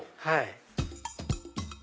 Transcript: はい。